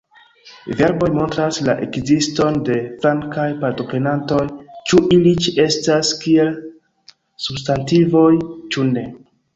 Verboj montras la ekziston de flankaj partoprenantoj, ĉu ili ĉeestas kiel substantivoj, ĉu ne.